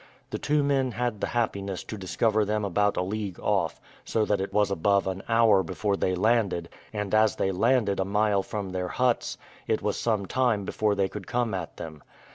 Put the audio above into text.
The two men had the happiness to discover them about a league off, so that it was above an hour before they landed; and as they landed a mile from their huts, it was some time before they could come at them.